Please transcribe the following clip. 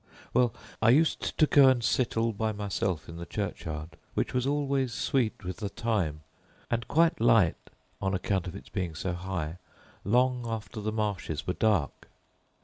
"Well, I used to go and sit all by myself in the churchyard, which was always sweet with thyme, and quite light (on account of its being so high) long after the marshes were dark.